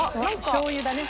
しょう油だね。